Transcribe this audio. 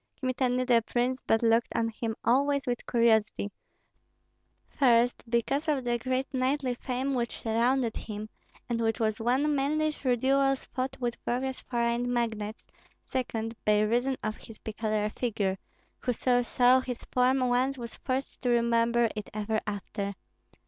Kmita knew the prince, but looked on him always with curiosity: first, because of the great knightly fame which surrounded him, and which was won mainly through duels fought with various foreign magnates; second, by reason of his peculiar figure, whoso saw his form once was forced to remember it ever after.